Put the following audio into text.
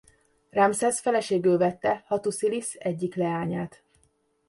Ramszesz feleségül vette Hattuszilisz egyik leányát.